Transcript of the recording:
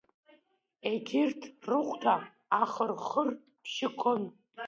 Егьырҭ рыхәда ахыр-хыр бжьы гон.